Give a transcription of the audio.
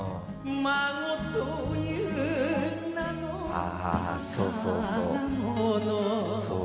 ああそうそうそう。